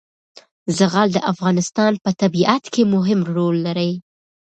زغال د افغانستان په طبیعت کې مهم رول لري.